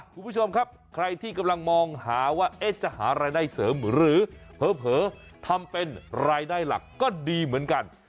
คุณผู้ชมครับใครที่กำลังมองหาว่าจะหารายได้เสริมหรือเผลอทำเป็นรายได้หลักก็ดีเหมือนกัน